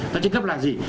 đợt trĩ cấp là gì